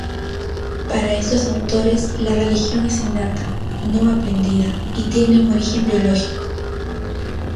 Para estos autores la religión es innata, no aprendida y tiene un origen biológico.